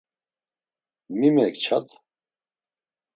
Mi mekçat?